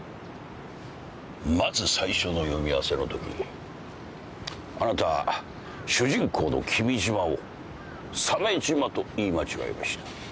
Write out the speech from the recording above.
まず最初の読み合わせのときあなた主人公の「君島」を「鮫島」と言い間違えました。